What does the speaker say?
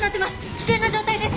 危険な状態です！